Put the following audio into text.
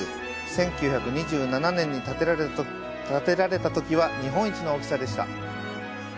１９２７年に建てられたときは日本一の大きさです。